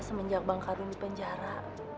semenjak bang karun di penjara